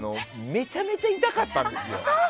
めちゃめちゃ痛かったんですよ。